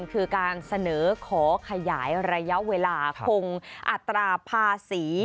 คือการเสนอขอขยายระยะเวลาคงอัตราภาษี